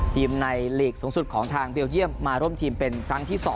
ทีมในหลีกสูงสุดของทางเบลเยี่ยมมาร่วมทีมเป็นครั้งที่๒